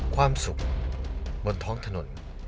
ความสุขบนท้องถนน